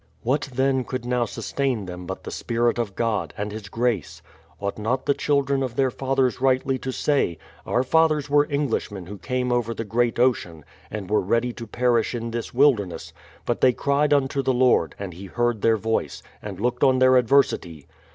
What, then, could now sustain them but the spirit of God, and His grace ? Ought not the children of their fathers rightly to say: Our fathers were Englishmen who came over the great ocean, and were ready to perish in this wilderness; but they cried unto the Lord, and He heard their voice, and looked on their adversity.